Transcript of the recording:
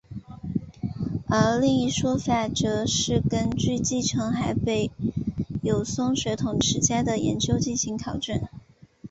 而另一说法则是根据继承海北友松血统的史家的研究进行考证。